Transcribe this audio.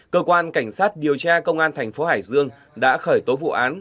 cơ quan cảnh sát điều tra công an thành phố hải dương đã khởi tố vụ án